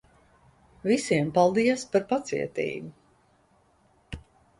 Visiem, paldies par pacietību.